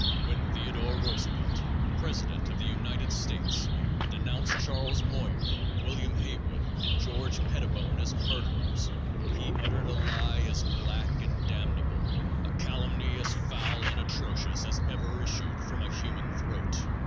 _When Theodore Roosevelt, president of the United States, denounced Charles Moyer, William Haywood and George Pettibone as murderers, he uttered a lie as black and damnable, a calumny as foul and atrocious as ever issued from a human throat.